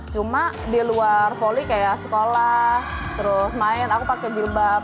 cuma di luar volley kayak sekolah terus main aku pakai jilbab